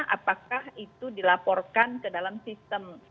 apakah itu dilaporkan ke dalam sistem